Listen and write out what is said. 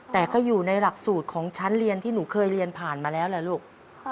แต่ก็อยู่ในหลักสูตรของชั้นเรียนที่หนูเคยเรียนผ่านมาแล้วแหละลูก